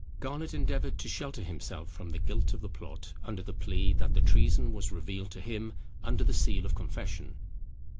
Garnet endeavoured to shelter himself from the guilt of the plot, under the plea, that the treason was revealed to him under the seal of confession.